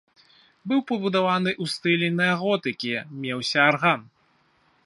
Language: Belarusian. Быў пабудаваны ў стылі неаготыкі, меўся арган.